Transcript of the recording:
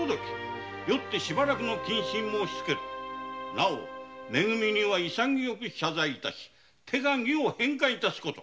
なお「め組」には潔く謝罪を致し手鉤を返還致すこと。